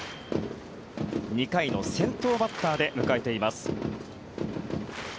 ２回の先頭バッターで迎えています。